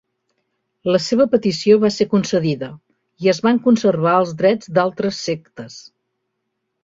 La seva petició va ser concedida i es van conservar els drets d'altres sectes.